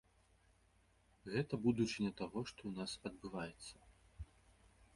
Гэта будучыня таго, што ў нас адбываецца.